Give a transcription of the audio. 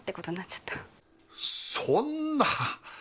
そんな！